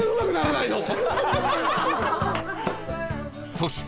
［そして］